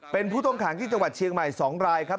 เป็นผู้ต้องขังที่จังหวัดเชียงใหม่๒รายครับ